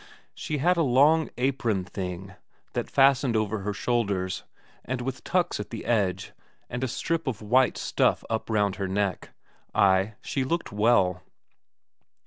She had a long apron thing that fastened over the shoulders and with tucks at the edge, and a strip of white stuff up round her neck ay, she looked well.